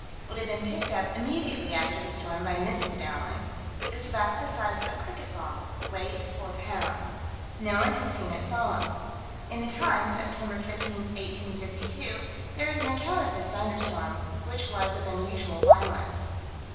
It had been picked up "immediately" after the storm by Mrs. Dowling. It was about the size of a cricket ball: weight four pounds. No one had seen it fall. In the Times, Sept. 15, 1852, there is an account of this thunderstorm, which was of unusual violence.